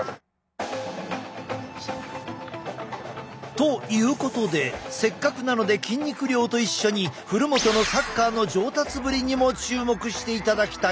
ということでせっかくなので筋肉量と一緒に古元のサッカーの上達ぶりにも注目していただきたい。